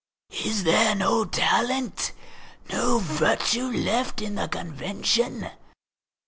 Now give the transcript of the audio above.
Is there no talent, no virtue left in the Convention?